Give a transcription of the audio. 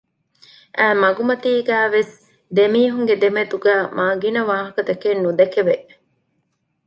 އައި މަގުމަތީގައިވެސް ދެމީހުންގެ ދެމެދުގައި މާ ގިނަ ވާހަކަތަކެއް ނުދެކެވެ